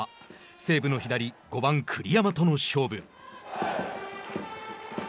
西武の左、５番栗山との勝負。